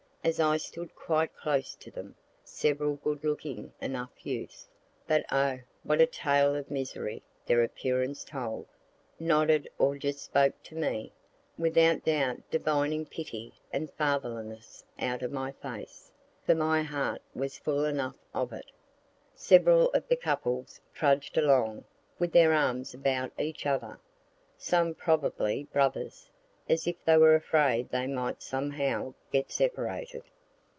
As I stood quite close to them, several good looking enough youths, (but O what a tale of misery their appearance told,) nodded or just spoke to me, without doubt divining pity and fatherliness out of my face, for my heart was full enough of it. Several of the couples trudg'd along with their arms about each other, some probably brothers, as if they were afraid they might somehow get separated.